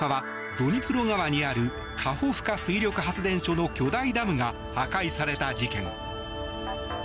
ドニプロ川にあるカホフカ水力発電所の巨大ダムが破壊された事件。